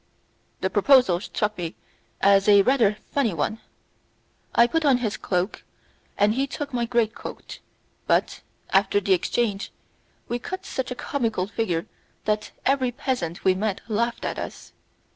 The proposal struck me as a rather funny one; I put on his cloak, and he took my great coat, but, after the exchange, we cut such a comical figure that every peasant we met laughed at us.